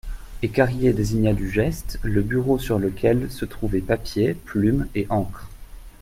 Et Carrier désigna du geste le bureau sur lequel se trouvaient papier, plumes et encre.